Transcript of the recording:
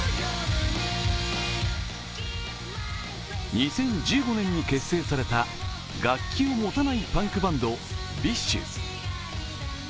２０１５年に結成された楽器を持たないパンクバンド・ＢｉＳＨ